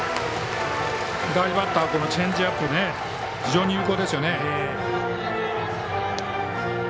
左バッターはチェンジアップが非常に有効ですね。